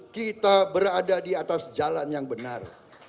kita berada di atas jalan yang benar